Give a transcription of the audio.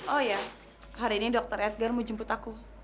oh ya hari ini dokter edgar mau jemput aku